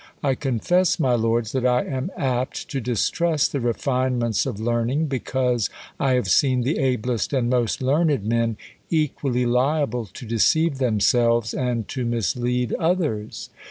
I confess, my lords, that I am apt to distrust the refinements of learning, because I have seen the ablest and most learned men equaUy liable to deceive themselves, and to mislead others.